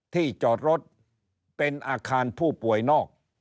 ที่จอดรถเป็นอาคารผู้ป่วยนอก